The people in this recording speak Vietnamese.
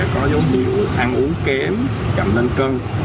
trong môi trường học